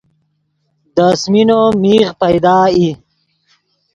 دے آسمینو میغ پیدا ای